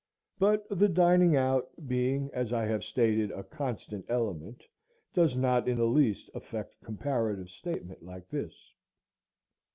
But the dining out, being, as I have stated, a constant element, does not in the least affect a comparative statement like this.